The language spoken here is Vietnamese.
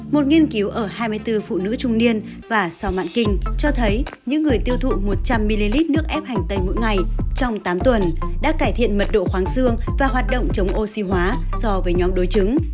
một nghiên cứu ở hai mươi bốn phụ nữ trung niên và sau mạng kinh cho thấy những người tiêu thụ một trăm linh ml nước ép hành tây mỗi ngày trong tám tuần đã cải thiện mật độ khoáng xương và hoạt động chống oxy hóa so với nhóm đối chứng